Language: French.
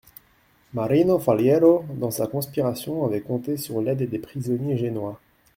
Marino Faliero dans sa conspiration avait compté sur l'aide des prisonniers génois.